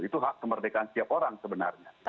itu hak kemerdekaan setiap orang sebenarnya